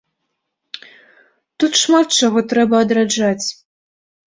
Тут шмат чаго трэба адраджаць.